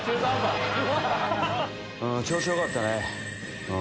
調子よかったね。